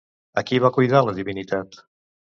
A qui va cuidar la divinitat?